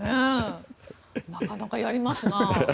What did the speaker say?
なかなかやりますな。